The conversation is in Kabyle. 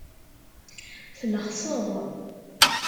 Tlexseḍ.